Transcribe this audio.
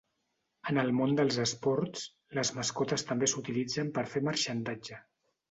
En el món dels esports, les mascotes també s'utilitzen per fer marxandatge.